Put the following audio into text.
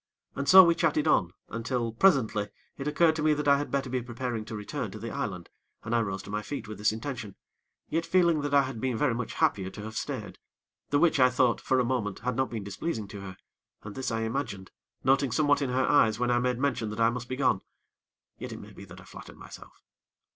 And so we chatted on, until, presently, it occurred to me that I had better be preparing to return to the island, and I rose to my feet with this intention; yet feeling that I had been very much happier to have stayed, the which I thought, for a moment, had not been displeasing to her, and this I imagined, noting somewhat in her eyes when I made mention that I must be gone. Yet it may be that I flattered myself.